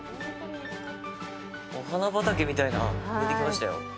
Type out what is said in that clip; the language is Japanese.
お花畑みたいなん見えてきましたよ。